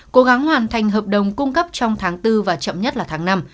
cố gắng hoàn thành hợp đồng cung cấp trong tháng bốn và chậm nhất là tháng năm